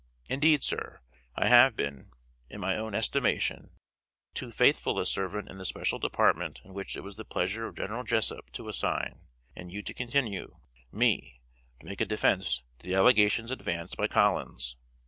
Indeed, sir, I have been, in my own estimation, too faithful a servant in the special department in which it was the pleasure of General Jessup to assign, and you to continue, me, to make a defense to the allegations advanced by Collins.